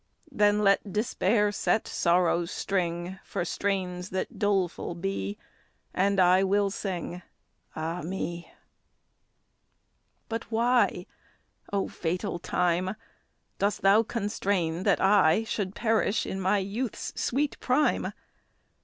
Then let despair set sorrow's string, For strains that doleful be; And I will sing, Ah me! But why, O fatal time, Dost thou constrain that I Should perish in my youth's sweet prime?